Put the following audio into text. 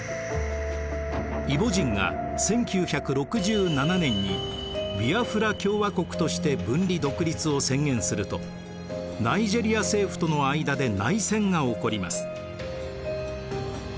イボ人が１９６７年にビアフラ共和国として分離独立を宣言するとナイジェリア政府との間で内戦が起こります。